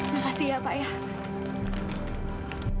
makasih ya pak ya